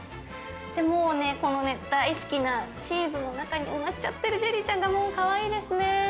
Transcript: もうね、このね、大好きなチーズの中に埋まっちゃってるジェリーちゃんが、もうかわいいですね。